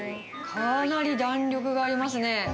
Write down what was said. かなり弾力がありますね。